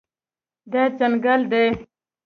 دا ځنګل دی